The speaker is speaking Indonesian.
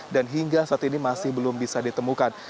dan hingga saat ini masih belum bisa ditemukan